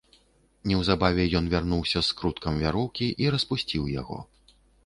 Неўзабаве ён вярнуўся з скруткам вяроўкі і распусціў яго.